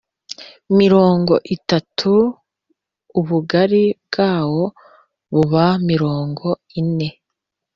Mirongo itatu ubugari bwawo buba mikono ine